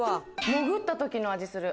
潜ったときの味する。